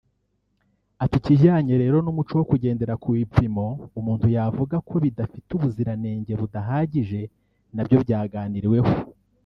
Ati “Ikijyanye rero n’umuco wo kugendera ku bipimo umuntu yavuga ko bidafite ubuziranenge budahagije na byo byaganiriweho